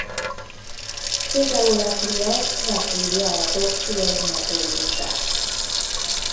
Például a kliens meghívja a proxy egy metódusát.